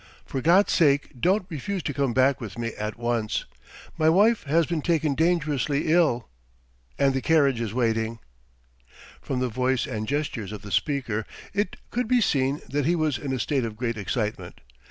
For God's sake don't refuse to come back with me at once. ... My wife has been taken dangerously ill. ... And the carriage is waiting. ..." From the voice and gestures of the speaker it could be seen that he was in a state of great excitement.